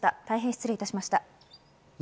大変失礼いたしました。